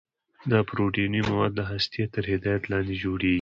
دا پروتیني مواد د هستې تر هدایت لاندې جوړیږي.